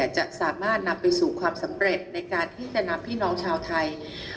จะสามารถนำไปสู่ความสำเร็จในการที่จะนำพี่น้องชาวไทย